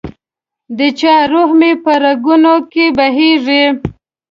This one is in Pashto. دچا روح مي په رګونو کي بهیږي